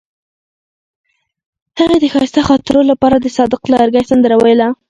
هغې د ښایسته خاطرو لپاره د صادق لرګی سندره ویله.